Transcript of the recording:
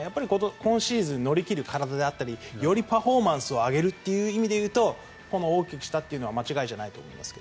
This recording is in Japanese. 今シーズンを乗り切る体であったりよりパフォーマンスを上げるという意味で言うとこの大きくしたというのは間違いじゃないと思いますが。